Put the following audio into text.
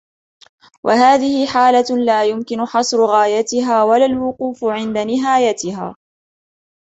وَهَذِهِ حَالَةٌ لَا يُمْكِنُ حَصْرُ غَايَتِهَا ، وَلَا الْوُقُوفُ عِنْدَ نِهَايَتِهَا